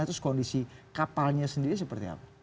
terus kondisi kapalnya sendiri seperti apa